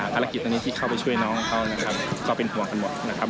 ภารกิจตอนนี้ที่เข้าไปช่วยน้องเขานะครับก็เป็นห่วงกันหมดนะครับ